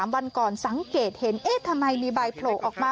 วันก่อนสังเกตเห็นเอ๊ะทำไมมีใบโผล่ออกมา